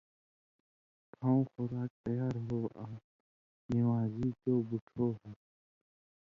کھؤں (خُوراک) تیار ہو آں نِوان٘زی چو بُوڇھو ہو،